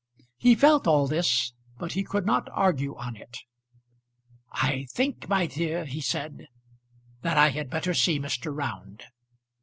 He felt all this, but he could not argue on it. "I think, my dear," he said, "that I had better see Mr. Round."